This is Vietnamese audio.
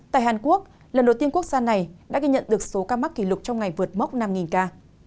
tại hàn quốc lần đầu tiên quốc gia này đã ghi nhận được số ca mắc kỷ lục trong ngày vượt mốc năm ca